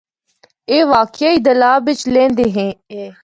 اے واقعی دلّا بچ لِہندے اے۔